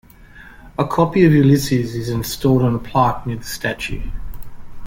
A copy of "Ulysses" is installed on a plaque near the statue.